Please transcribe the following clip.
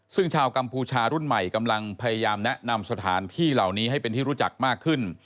ซึ่งชาวกัมพูชารุ่นใหม่กำลังพยายามแนะนำสถานที่เหล่านี้ให้เป็นที่รู้จักมากขึ้น